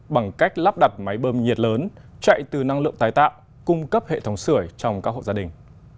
bằng cách lắp đặt máy bơm nhiệt lớn chạy từ năng lượng tái tạo cung cấp hệ thống sửa trong các hộ gia đình